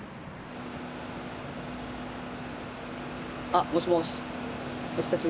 あっもしもし？